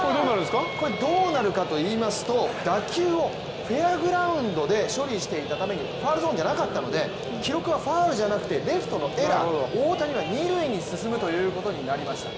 これ、どうなるかといいますと打球をフェアグラウンドで処理していたためにファウルゾーンじゃなかったので記録はファウルじゃなくてレフトのエラー、大谷は二塁に進むことになりました。